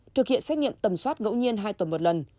thực hiện xét nghiệm tầm soát ngẫu nhiên hai tuần một lần